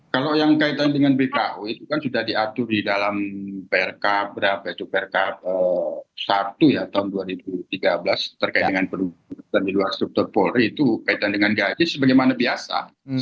kalau yang kaitan dengan bko itu kan sudah diatur di dalam perkap satu ya tahun dua ribu tiga belas terkait dengan penduduk di luar struktur polri itu kaitan dengan gaji sebagaimana biasa